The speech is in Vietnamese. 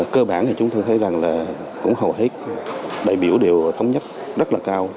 cơ bản thì chúng tôi thấy rằng là cũng hầu hết đại biểu đều thống nhất rất là cao